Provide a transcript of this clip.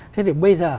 thế thì bây giờ